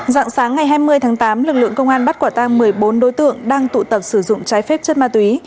dạng sáng ngày hai mươi tháng tám lực lượng công an bắt quả tang một mươi bốn đối tượng đang tụ tập sử dụng trái phép chất ma túy